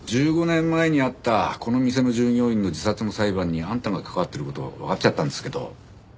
１５年前にあったこの店の従業員の自殺の裁判にあんたが関わってる事わかっちゃったんですけど。